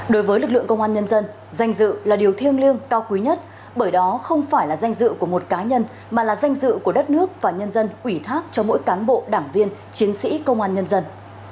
đối với lực lượng công an nhân dân danh dự là điều thiêng liêng cao quý nhất bởi đó không phải là danh dự của một cá nhân mà là danh dự của đất nước và nhân dân ủy thác cho mỗi cán bộ đảng viên chiến sĩ công an nhân dân